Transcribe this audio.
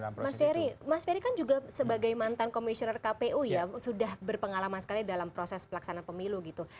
mas ferry mas ferry kan juga sebagai mantan komisioner kpu ya sudah berpengalaman sekali dalam proses pelaksanaan pemilu gitu